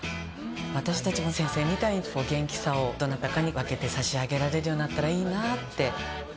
私たちも先生みたいに元気さをどなたかに分けて差し上げられるようになったらいいなって。